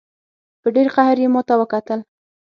په ډېر قهر یې ماته وکتل.